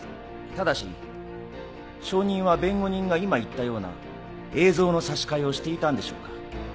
ただし証人は弁護人が今言ったような映像の差し替えをしていたんでしょうか？